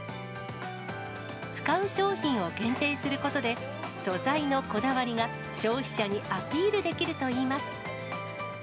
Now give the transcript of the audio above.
使う商品を限定することで、素材のこだわりが消費者にアピールできるといいます。